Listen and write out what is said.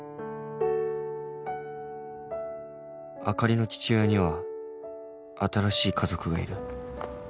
「あかりの父親には新しい家族がいる」